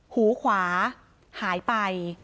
หูขวาหายไป